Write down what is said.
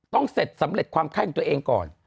ต้องเสร็จสำเร็จความไข้ของตัวเองก่อน